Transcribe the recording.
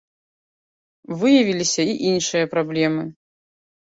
Выявіліся і іншыя праблемы.